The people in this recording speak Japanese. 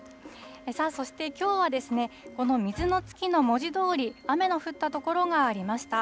そして、きょうはですね、この水の月の文字どおり、雨の降った所がありました。